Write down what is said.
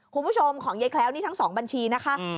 คุณผู้ชมของยายแคล้วนี่ทั้ง๒บัญชีนะคะ